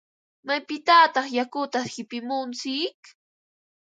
¿Maypitataq yakuta qipimuntsik?